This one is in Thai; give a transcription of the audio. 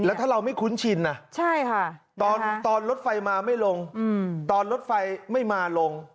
แล้วถ้าเราไม่คุ้นชินนะใช่ค่ะตอนรถไฟมาไม่ลงตอนรถไฟไม่มาลง